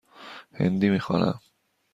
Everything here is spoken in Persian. هندی می خوانم.